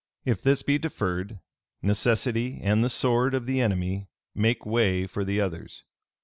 If this be deferred, necessity and the sword of the enemy make way for the others.